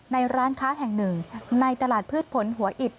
ร้านค้าแห่งหนึ่งในตลาดพืชผลหัวอิด